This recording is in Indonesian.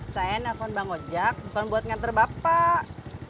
saya nelfon bang ojek bukan buat nganter bapak